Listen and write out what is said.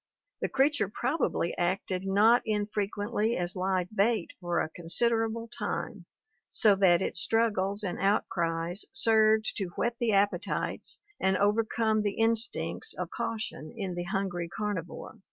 The creature probably acted not in frequently as live bait for a considerable time, so that its struggles and outcries served to whet the appetites and overcome the instincts of caution in the hungry carnivore.